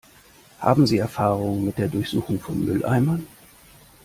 Haben Sie Erfahrung mit der Durchsuchung von Mülleimern?